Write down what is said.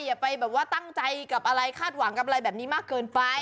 อย่าไปแบบว่าตั้งใจกับอะไรคาดหวังกับอะไรแบบนี้มากเกินไป